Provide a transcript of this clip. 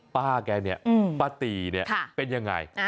ป้าแกเนี่ยป้าตีเนี่ยเป็นยังไง